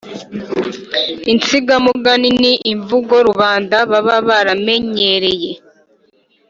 insigamugani ni imvugo rubanda baba baramenyereye